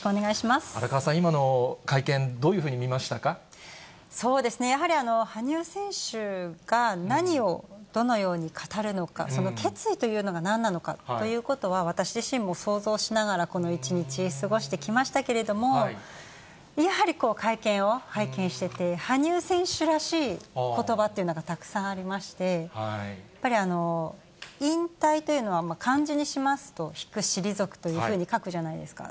荒川さん、今の会見、どういそうですね、やはり羽生選手が何をどのように語るのか、その決意というのがなんなのかということは私自身も想像しながら、この一日、過ごしてきましたけれども、やはりこう、会見を拝見してて、羽生選手らしいことばっていうのがたくさんありまして、やっぱり引退というのは、漢字にしますと、引く、退くというふうに書くじゃないですか。